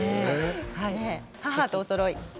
母とおそろい。